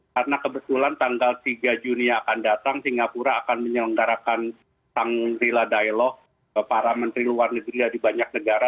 karena kebetulan tanggal tiga juni akan datang singapura akan menyelenggarakan sangrila dialog para menteri luar negeri di banyak negara